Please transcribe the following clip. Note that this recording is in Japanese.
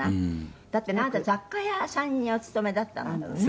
だって、なんか、雑貨屋さんにお勤めだったのよね？